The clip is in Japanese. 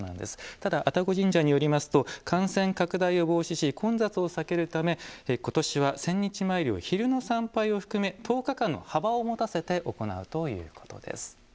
ただ、愛宕神社によりますと感染拡大を防止し混雑を避けるため今年は千日詣りを昼の参拝を含め１０日間の幅を持たせて行うということです。